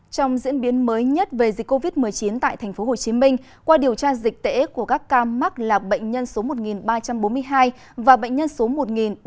trong diễn biến mới nhất về dịch covid một mươi chín tại tp hcm qua điều tra dịch tễ của các ca mắc là bệnh nhân số một ba trăm bốn mươi hai và bệnh nhân số một ba trăm bốn